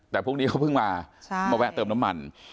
แต่พรุ่งนี้เขาเพิ่งมามาแวะเติมน้ำมัน